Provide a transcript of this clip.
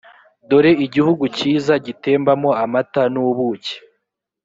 dore igihugu cyiza gitembamo amata n’ ubuki